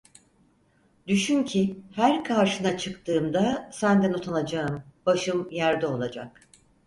Düşün ki, her karşına çıktığımda senden utanacağım, başım yerde olacak...